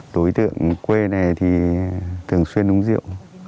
đối tượng quê này thì thường xuyên uống rượu